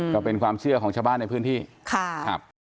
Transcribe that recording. ก็เป็นความเชื่อของชาวบ้านในพื้นที่ครับ